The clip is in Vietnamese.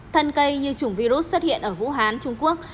thân cây như chủng virus xuất hiện ở vũ hán trung quốc